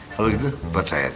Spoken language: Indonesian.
kalau gitu buat saya